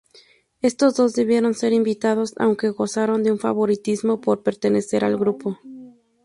Estos dos debieron ser invitados, aunque gozaron de un favoritismo por pertenecer al grupo.